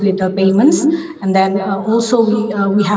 dan juga kami memiliki